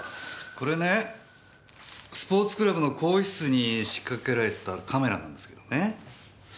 これねスポーツクラブの更衣室に仕掛けられてたカメラなんですけどね。